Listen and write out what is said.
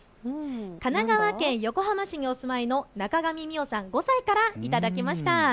神奈川県横浜市にお住まいのなかがみみおさん、５歳から頂きました。